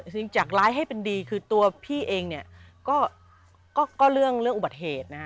สิ่งจากร้ายให้เป็นดีคือตัวพี่เองเนี่ยก็เรื่องอุบัติเหตุนะฮะ